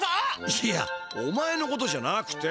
いやおまえのことじゃなくて。